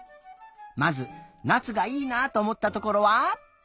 まずなつがいいなとおもったところは？